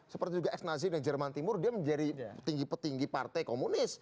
seperti juga ex nazi dari jerman timur dia menjadi petinggi petinggi partai komunis